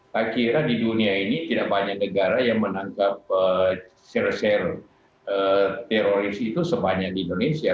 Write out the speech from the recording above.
saya kira di dunia ini tidak banyak negara yang menangkap ser ser teroris itu sebanyak di indonesia